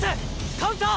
カウンター！